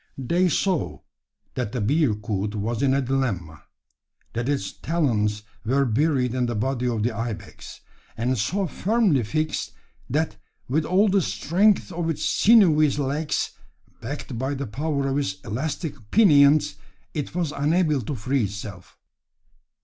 They saw that the bearcoot was in a dilemma; that its talons were buried in the body of the ibex, and so firmly fixed, that with all the strength of its sinewy legs, backed by the power of its elastic pinions, it was unable to free itself!